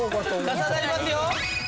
重なりますよ！